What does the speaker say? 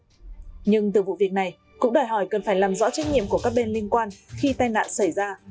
nhưng từ vụ việc này cũng đòi hỏi cần phải làm rõ trách nhiệm của các bên liên quan khi tai nạn xảy ra